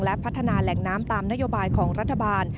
และพัฒนาแหล่งน้ำตามนโยบายของรัฐบาล